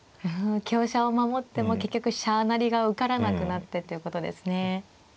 香車を守っても結局飛車成が受からなくなってということですね。